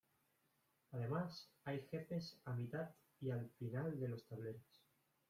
Además, hay jefes a mitad y al final de los tableros.